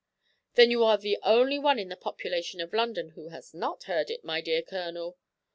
"Then you are the only one in the population of London who has not heard it, my dear Colonel.